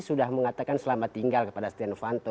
sudah mengatakan selamat tinggal kepada setia novanto